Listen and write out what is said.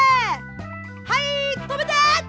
はいとめて！